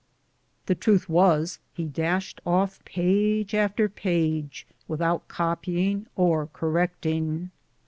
The truth was, he dashed off page after page without copying or correcting.